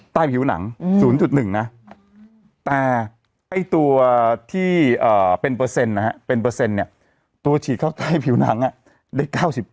ใต้ผิวหนัง๐๑แต่ใต้ตัวที่เป็นเปอร์เซ็นต์นะตัวฉีดข้างใต้ผิวหนังได้๙๙